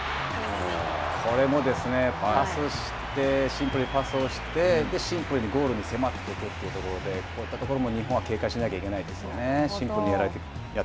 これもですね、パスして、シンプルにパスをして、シンプルにゴールに迫っていくというところで、こういったところも日本は警戒しなきゃいけないですよね。